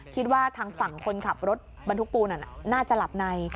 คิดว่าทางฝั่งคนขับรถบรรทุกปูนน่าจะหลับใน